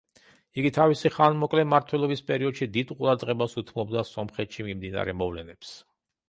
იგი თავისი ხანმოკლე მმართველობის პერიოდში დიდ ყურადღებას უთმობდა სომხეთში მიმდინარე მოვლენებს.